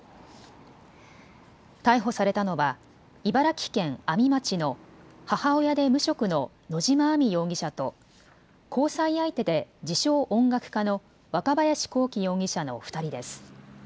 逮捕されたのは茨城県阿見町の母親で無職の野嶋亜美容疑者と交際相手で自称音楽家の若林洸希容疑者の２人です。